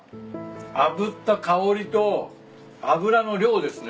あぶった香りと脂の量ですね。